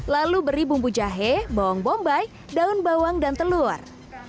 lalu beri bumbu jahe bawang bombay daun bawang dan telur